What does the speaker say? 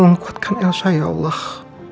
tolong kuatkan elsa ya allah